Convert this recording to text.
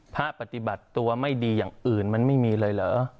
ปฏิบัติตัวไม่ดีอย่างอื่นมันไม่มีเลยเหรอ